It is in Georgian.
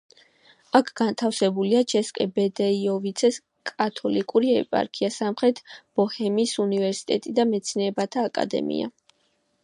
აქ განთავსებულია ჩესკე-ბუდეიოვიცეს კათოლიკური ეპარქია, სამხრეთ ბოჰემიის უნივერსიტეტი და მეცნიერებათა აკადემია.